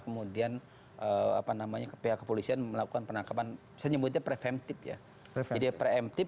kemudian pihak kepolisian melakukan penangkapan saya nyebutnya preventif ya jadi preventif